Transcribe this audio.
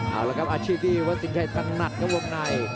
เอาละครับอาชีพที่วันสินใจตั้งหนักกับรอบใน